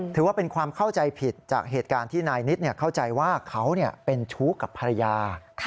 ถือว่าเป็นความเข้าใจผิดจากเหตุการณ์ที่นายนิดเข้าใจว่าเขาเป็นชู้กับภรรยา